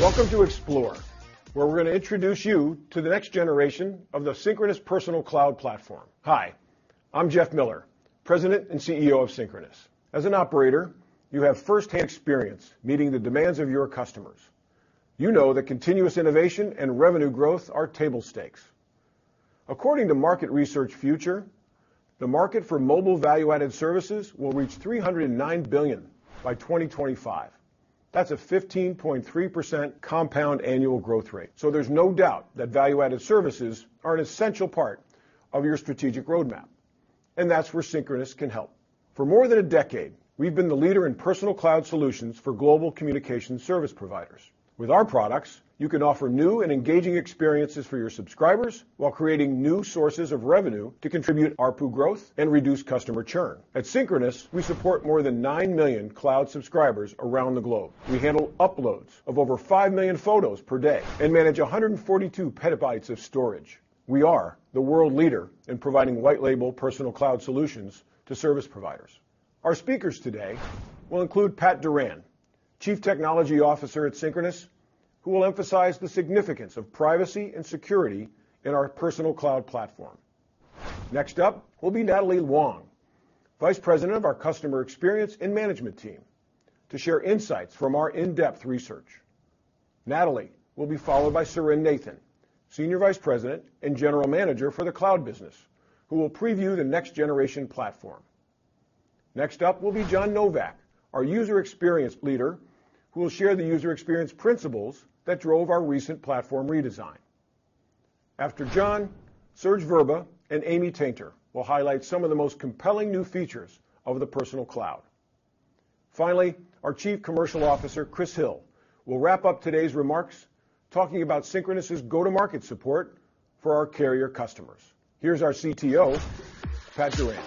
Welcome to Explore, where we're gonna introduce you to the next generation of the Synchronoss Personal Cloud platform. Hi, I'm Jeff Miller, President and CEO of Synchronoss. As an operator, you have first-hand experience meeting the demands of your customers. You know that continuous innovation and revenue growth are table stakes. According to Market Research Future, the market for mobile value-added services will reach $309 billion by 2025. That's a 15.3% compound annual growth rate. There's no doubt that value-added services are an essential part of your strategic roadmap, and that's where Synchronoss can help. For more than a decade, we've been the leader in personal cloud solutions for global communication service providers. With our products, you can offer new and engaging experiences for your subscribers while creating new sources of revenue to contribute ARPU growth and reduce customer churn. At Synchronoss, we support more than 9 million cloud subscribers around the globe. We handle uploads of over 5 million photos per day and manage 142 petabytes of storage. We are the world leader in providing white label personal cloud solutions to service providers. Our speakers today will include Patrick Doran, Chief Technology Officer at Synchronoss, who will emphasize the significance of privacy and security in our personal cloud platform. Next up will be Natalie Wong, Vice President of our Customer Experience and Management team, to share insights from our in-depth research. Natalie will be followed by Suren Nathan, Senior Vice President and General Manager for the cloud business, who will preview the next generation platform. Next up will be Jon Novak, our user experience leader, who will share the user experience principles that drove our recent platform redesign. After Jon, Serge Verba and Amy Tainter will highlight some of the most compelling new features of the personal cloud. Finally, our Chief Commercial Officer, Chris Hill, will wrap up today's remarks talking about Synchronoss's go-to-market support for our carrier customers. Here's our CTO, Pat Doran.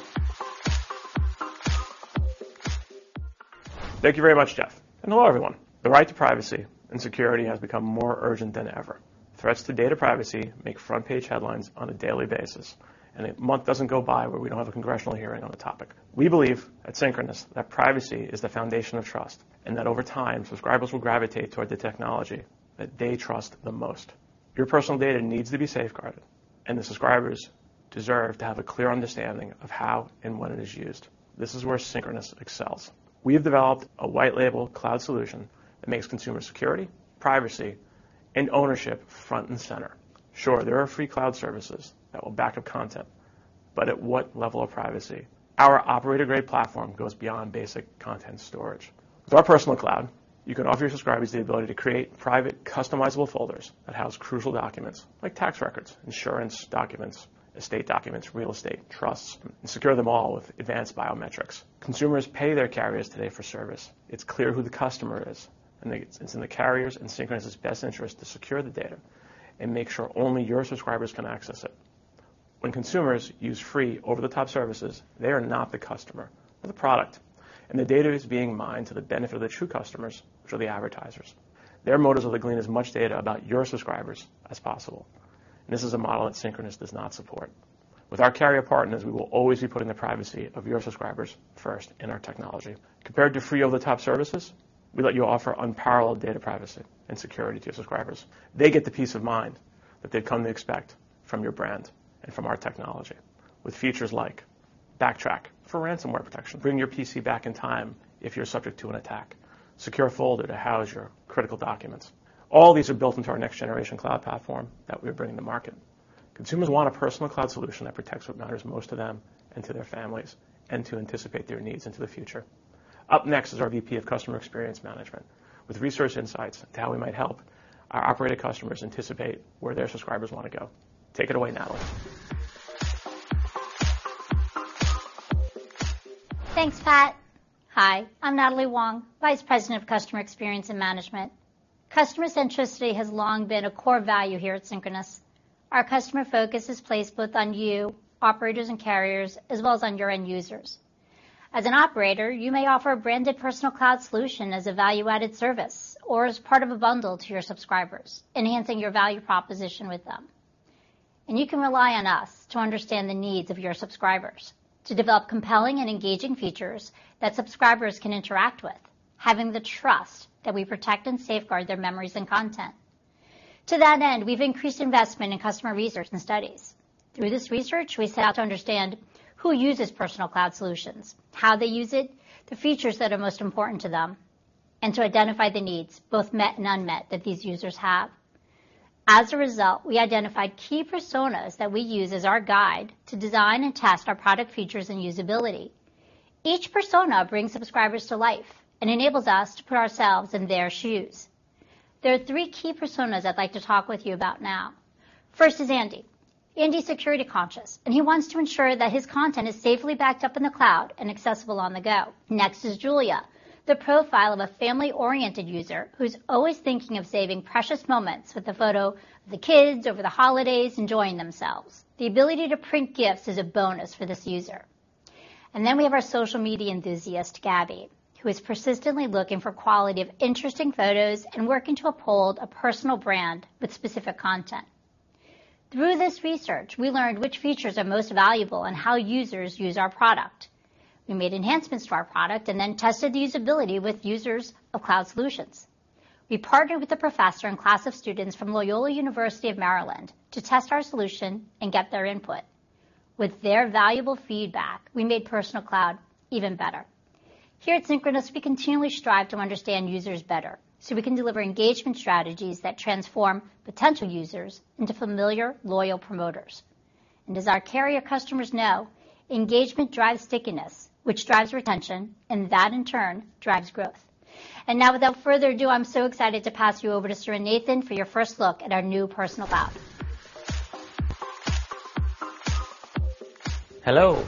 Thank you very much, Jeff, and hello everyone. The right to privacy and security has become more urgent than ever. Threats to data privacy make front page headlines on a daily basis, and a month doesn't go by where we don't have a congressional hearing on the topic. We believe at Synchronoss that privacy is the foundation of trust, and that over time, subscribers will gravitate toward the technology that they trust the most. Your personal data needs to be safeguarded, and the subscribers deserve to have a clear understanding of how and when it is used. This is where Synchronoss excels. We have developed a white label cloud solution that makes consumer security, privacy, and ownership front and center. Sure, there are free cloud services that will back up content, but at what level of privacy? Our operator-grade platform goes beyond basic content storage. With our Personal Cloud, you can offer your subscribers the ability to create private, customizable folders that house crucial documents like tax records, insurance documents, estate documents, real estate, trusts, and secure them all with advanced biometrics. Consumers pay their carriers today for service. It's clear who the customer is. It's in the carriers and Synchronoss' best interest to secure the data and make sure only your subscribers can access it. When consumers use free over-the-top services, they are not the customer, they're the product, and the data is being mined to the benefit of the true customers, which are the advertisers. Their motives are to glean as much data about your subscribers as possible. This is a model that Synchronoss does not support. With our carrier partners, we will always be putting the privacy of your subscribers first in our technology. Compared to free over-the-top services, we let you offer unparalleled data privacy and security to your subscribers. They get the peace of mind that they've come to expect from your brand and from our technology with features like Backtrack for ransomware protection. Bring your PC back in time if you're subject to an attack. Private Folder to house your critical documents. All these are built into our next generation cloud platform that we are bringing to market. Consumers want a personal cloud solution that protects what matters most to them and to their families, and to anticipate their needs into the future. Up next is our VP of Customer Experience Management with research insights to how we might help our operator customers anticipate where their subscribers wanna go. Take it away, Natalie. Thanks, Pat. Hi, I'm Natalie Wong, Vice President of Customer Experience and Management. Customer centricity has long been a core value here at Synchronoss. Our customer focus is placed both on you, operators and carriers, as well as on your end users. As an operator, you may offer a branded personal cloud solution as a value-added service or as part of a bundle to your subscribers, enhancing your value proposition with them. You can rely on us to understand the needs of your subscribers, to develop compelling and engaging features that subscribers can interact with, having the trust that we protect and safeguard their memories and content. To that end, we've increased investment in customer research and studies. Through this research, we set out to understand who uses personal cloud solutions, how they use it, the features that are most important to them, and to identify the needs, both met and unmet, that these users have. As a result, we identified key personas that we use as our guide to design and test our product features and usability. Each persona brings subscribers to life and enables us to put ourselves in their shoes. There are three key personas I'd like to talk with you about now. First is Andy. Andy's security conscious, and he wants to ensure that his content is safely backed up in the cloud and accessible on the go. Next is Julia, the profile of a family-oriented user who's always thinking of saving precious moments with a photo of the kids over the holidays enjoying themselves. The ability to print gifts is a bonus for this user. Then we have our social media enthusiast, Gabby, who is persistently looking for quality of interesting photos and working to uphold a personal brand with specific content. Through this research, we learned which features are most valuable and how users use our product. We made enhancements to our product and then tested the usability with users of cloud solutions. We partnered with a professor and class of students from Loyola University Maryland to test our solution and get their input. With their valuable feedback, we made Personal Cloud even better. Here at Synchronoss, we continually strive to understand users better so we can deliver engagement strategies that transform potential users into familiar, loyal promoters. As our carrier customers know, engagement drives stickiness, which drives retention, and that in turn drives growth. Now, without further ado, I'm so excited to pass you over to Suren Nathan for your first look at our new Personal Cloud. Hello.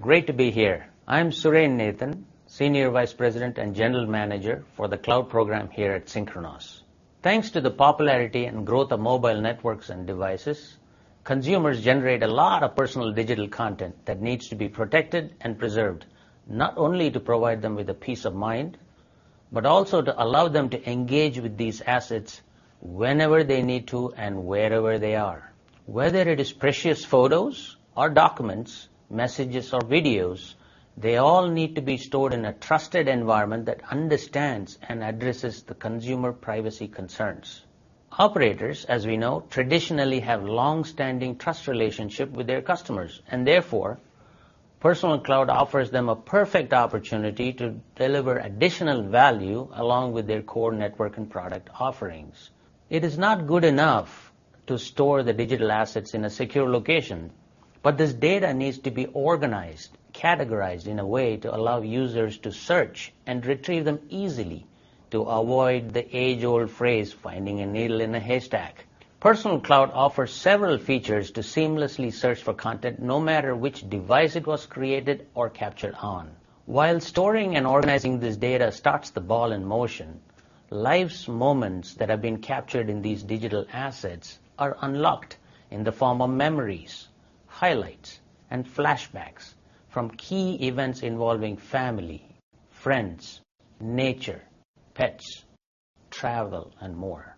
Great to be here. I'm Suren Nathan, Senior Vice President and General Manager for the cloud program here at Synchronoss. Thanks to the popularity and growth of mobile networks and devices, consumers generate a lot of personal digital content that needs to be protected and preserved, not only to provide them with a peace of mind, but also to allow them to engage with these assets whenever they need to and wherever they are. Whether it is precious photos or documents, messages or videos, they all need to be stored in a trusted environment that understands and addresses the consumer privacy concerns. Operators, as we know, traditionally have long-standing trust relationship with their customers, and therefore, Personal Cloud offers them a perfect opportunity to deliver additional value along with their core network and product offerings. It is not good enough to store the digital assets in a secure location, but this data needs to be organized, categorized in a way to allow users to search and retrieve them easily to avoid the age-old phrase, finding a needle in a haystack. Personal Cloud offers several features to seamlessly search for content no matter which device it was created or captured on. While storing and organizing this data starts the ball in motion, life's moments that have been captured in these digital assets are unlocked in the form of memories, highlights, and flashbacks from key events involving family, friends, nature, pets, travel, and more.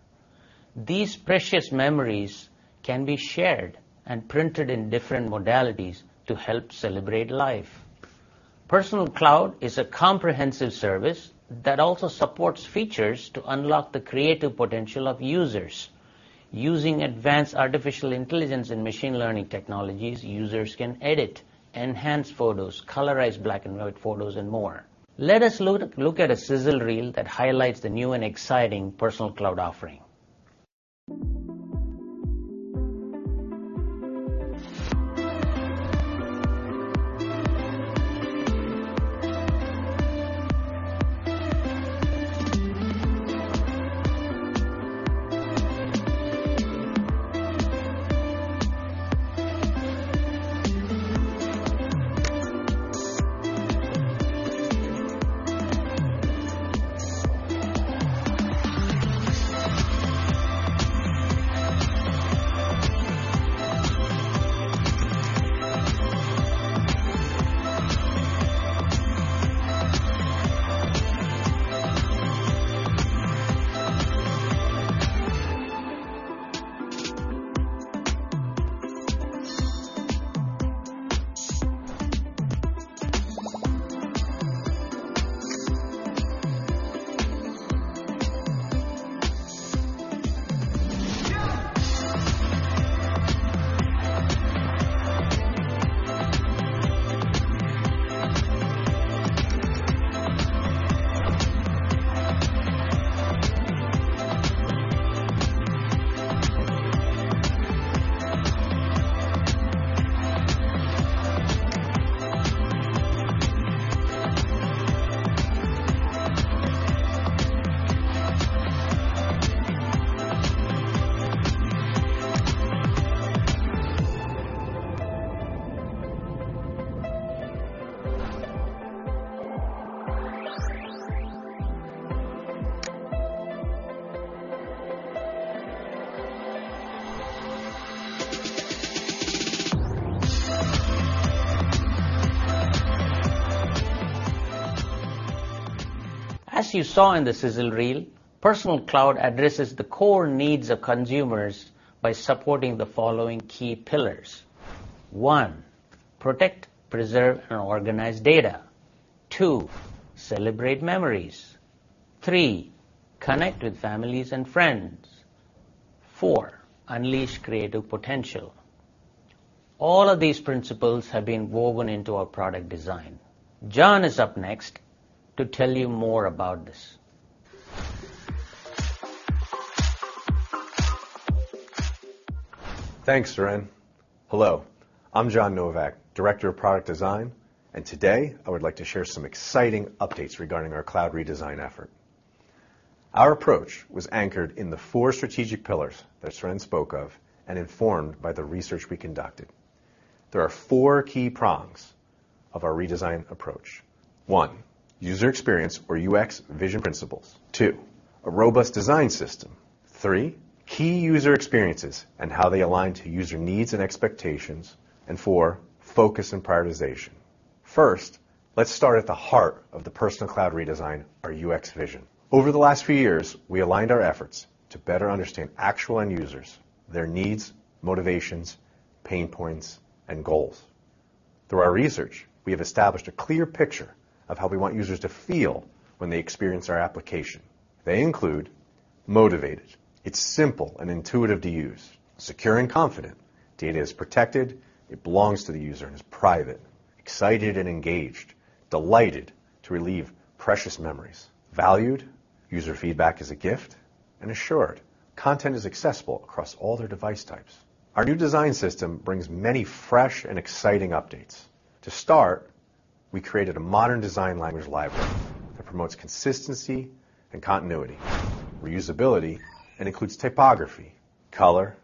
These precious memories can be shared and printed in different modalities to help celebrate life. Personal Cloud is a comprehensive service that also supports features to unlock the creative potential of users. Using advanced artificial intelligence and machine learning technologies, users can edit, enhance photos, colorize black and white photos, and more. Let us look at a sizzle reel that highlights the new and exciting Personal Cloud offering. As you saw in the sizzle reel, Personal Cloud addresses the core needs of consumers by supporting the following key pillars. One, protect, preserve, and organize data. Two, celebrate memories. Three, connect with families and friends. Four, unleash creative potential. All of these principles have been woven into our product design. Jon is up next to tell you more about this. Thanks, Suren. Hello, I'm Jon Novak, director of product design. Today I would like to share some exciting updates regarding our cloud redesign effort. Our approach was anchored in the four strategic pillars that Suren spoke of and informed by the research we conducted. There are four key prongs of our redesign approach. One, user experience or UX vision principles. Two, a robust design system. Three, key user experiences and how they align to user needs and expectations. Four, focus and prioritization. First, let's start at the heart of the Personal Cloud redesign, our UX vision. Over the last few years, we aligned our efforts to better understand actual end users, their needs, motivations, pain points, and goals. Through our research, we have established a clear picture of how we want users to feel when they experience our application. They include motivated, it's simple and intuitive to use, secure and confident, data is protected, it belongs to the user and is private, excited and engaged, delighted to relieve precious memories, valued, user feedback is a gift, and assured, content is accessible across all their device types. Our new design system brings many fresh and exciting updates. To start, we created a modern design language library that promotes consistency and continuity, reusability, and includes typography, color,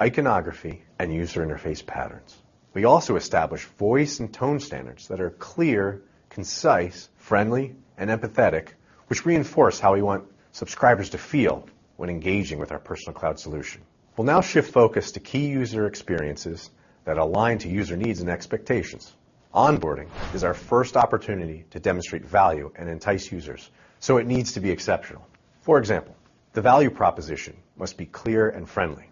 iconography, and user interface patterns. We also established voice and tone standards that are clear, concise, friendly, and empathetic, which reinforce how we want subscribers to feel when engaging with our Personal Cloud solution. We'll now shift focus to key user experiences that align to user needs and expectations. Onboarding is our first opportunity to demonstrate value and entice users, so it needs to be exceptional. For example, the value proposition must be clear and friendly.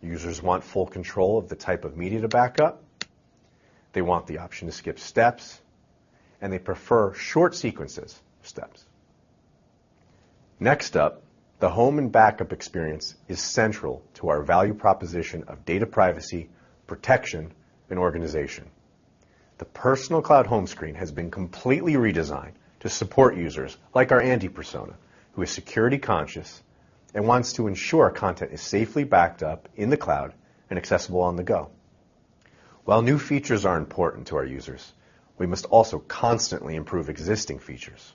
Users want full control of the type of media to backup. They want the option to skip steps, and they prefer short sequences of steps. Next up, the home and backup experience is central to our value proposition of data privacy, protection, and organization. The Personal Cloud home screen has been completely redesigned to support users like our Andy persona, who is security conscious and wants to ensure content is safely backed up in the cloud and accessible on the go. While new features are important to our users, we must also constantly improve existing features.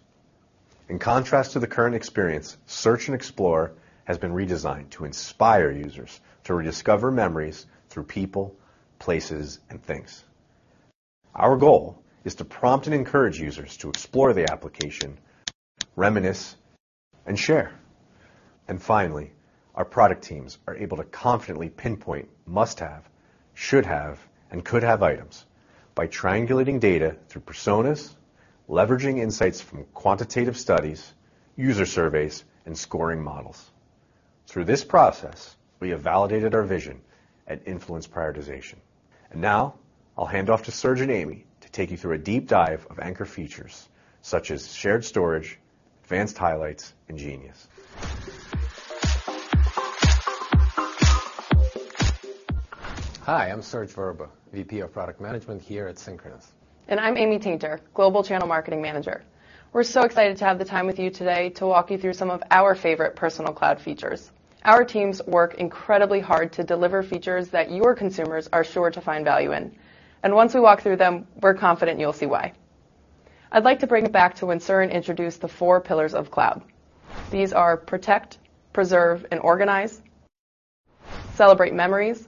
In contrast to the current experience, Search and Explore has been redesigned to inspire users to rediscover memories through people, places, and things. Our goal is to prompt and encourage users to explore the application, reminisce, and share. Finally, our product teams are able to confidently pinpoint must-have, should-have, and could-have items by triangulating data through personas, leveraging insights from quantitative studies, user surveys, and scoring models. Through this process, we have validated our vision and influence prioritization. Now, I'll hand off to Serge and Amy to take you through a deep dive of anchor features such as shared storage, Advanced Highlights, and Genius. Hi, I'm Serge Verba, VP of Product Management here at Synchronoss. I'm Amy Tainter, Global Channel Marketing Manager. We're so excited to have the time with you today to walk you through some of our favorite Personal Cloud features. Our teams work incredibly hard to deliver features that your consumers are sure to find value in. Once we walk through them, we're confident you'll see why. I'd like to bring it back to when Serge introduced the four pillars of cloud. These are protect, preserve, and organize, celebrate memories,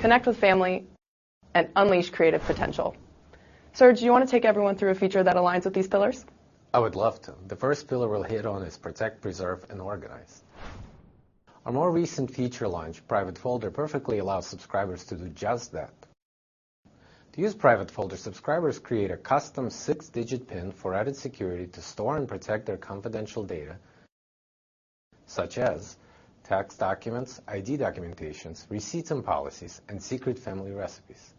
connect with family, and unleash creative potential. Serge, do you wanna take everyone through a feature that aligns with these pillars? I would love to. The first pillar we'll hit on is protect, preserve, and organize. A more recent feature launch, Private Folder, perfectly allows subscribers to do just that. To use Private Folder, subscribers create a custom 6-digit pin for added security to store and protect their confidential data, such as tax documents, ID documentations, receipts and policies, and secret family recipes.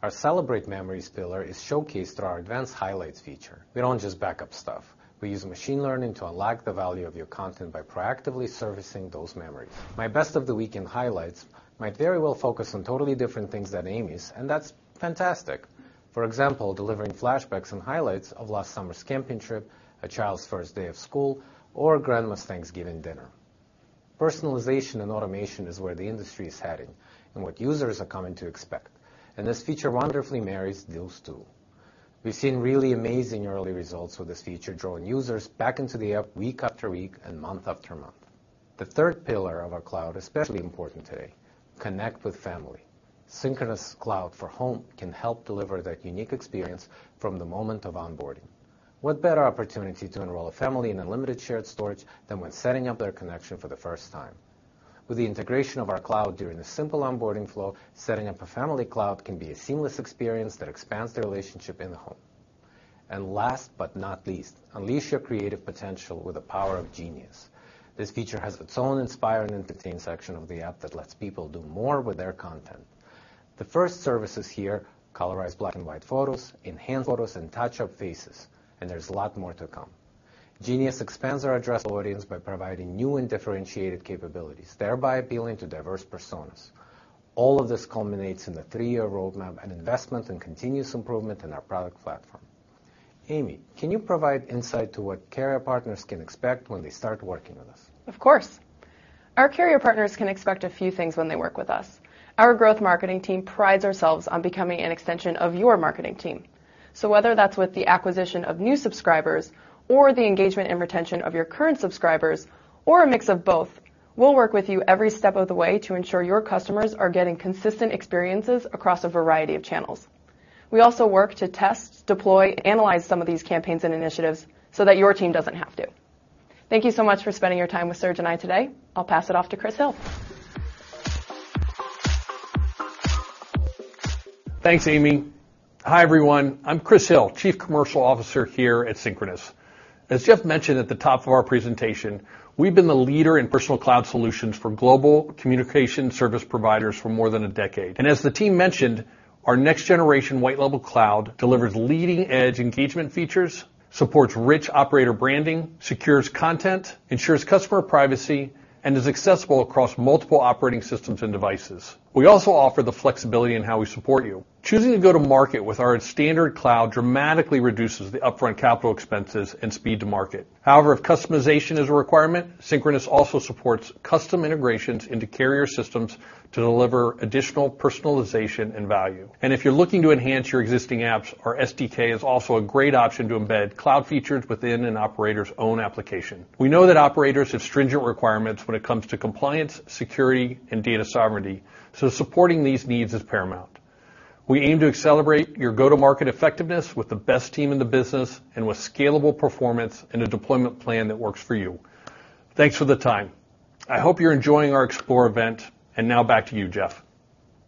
Our Celebrate Memories pillar is showcased through our Advanced Highlights feature. We don't just backup stuff. We use machine learning to unlock the value of your content by proactively servicing those memories. My best of the week in highlights might very well focus on totally different things than Amy's. That's fantastic. For example, delivering flashbacks and highlights of last summer's camping trip, a child's first day of school, or grandma's Thanksgiving dinner. Personalization and automation is where the industry is heading and what users are coming to expect, and this feature wonderfully marries those two. We've seen really amazing early results with this feature, drawing users back into the app week after week and month after month. The third pillar of our cloud, especially important today, connect with family. Synchronoss Cloud for Home can help deliver that unique experience from the moment of onboarding. What better opportunity to enroll a family in unlimited shared storage than when setting up their connection for the first time? With the integration of our cloud during the simple onboarding flow, setting up a family cloud can be a seamless experience that expands the relationship in the home. Last but not least, unleash your creative potential with the power of Genius. This feature has its own inspire and entertain section of the app that lets people do more with their content. The first services here, colorize black and white photos, enhance photos, and touch up faces, and there's a lot more to come. Genius expands our address audience by providing new and differentiated capabilities, thereby appealing to diverse personas. All of this culminates in the 3-year roadmap and investment in continuous improvement in our product platform. Amy, can you provide insight to what carrier partners can expect when they start working with us? Of course. Our carrier partners can expect a few things when they work with us. Our growth marketing team prides ourselves on becoming an extension of your marketing team. Whether that's with the acquisition of new subscribers or the engagement and retention of your current subscribers or a mix of both, we'll work with you every step of the way to ensure your customers are getting consistent experiences across a variety of channels. We also work to test, deploy, and analyze some of these campaigns and initiatives so that your team doesn't have to. Thank you so much for spending your time with Serge and I today. I'll pass it off to Chris Hill. Thanks, Amy. Hi, everyone. I'm Chris Hill, Chief Commercial Officer here at Synchronoss. As Jeff mentioned at the top of our presentation, we've been the leader in personal cloud solutions for global communication service providers for more than 10 years. As the team mentioned, our next generation white label cloud delivers leading-edge engagement features, supports rich operator branding, secures content, ensures customer privacy, and is accessible across multiple operating systems and devices. We also offer the flexibility in how we support you. Choosing to go to market with our standard cloud dramatically reduces the upfront capital expenses and speed to market. However, if customization is a requirement, Synchronoss also supports custom integrations into carrier systems to deliver additional personalization and value. If you're looking to enhance your existing apps, our SDK is also a great option to embed cloud features within an operator's own application. We know that operators have stringent requirements when it comes to compliance, security, and data sovereignty, so supporting these needs is paramount. We aim to accelerate your go-to-market effectiveness with the best team in the business and with scalable performance and a deployment plan that works for you. Thanks for the time. I hope you're enjoying our Explore event. Now back to you, Jeff.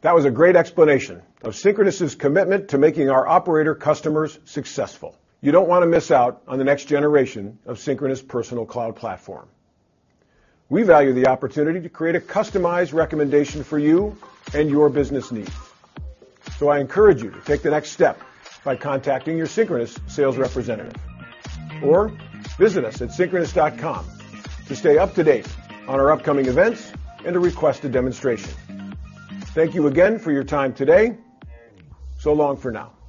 That was a great explanation of Synchronoss's commitment to making our operator customers successful. You don't want to miss out on the next generation of Synchronoss Personal Cloud platform. We value the opportunity to create a customized recommendation for you and your business needs. I encourage you to take the next step by contacting your Synchronoss sales representative or visit us at synchronoss.com to stay up to date on our upcoming events and to request a demonstration. Thank you again for your time today. Long for now.